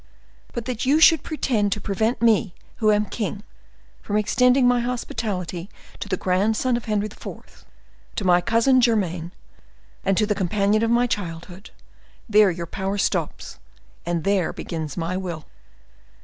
But that you should pretend to prevent me, who am king, from extending my hospitality to the grandson of Henry IV., to my cousin german, to the companion of my childhood—there your power stops, and there begins my will."